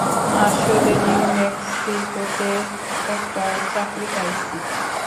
আসলে, নিউ ম্যাক্সিকোতে একটা চাকরি পাইছি।